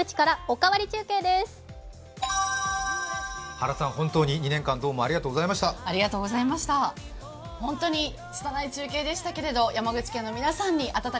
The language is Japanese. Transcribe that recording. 原さん、本当に２年間どうもありがとうございました。